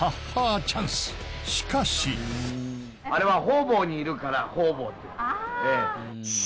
しかしあれは方々にいるからホウボウ。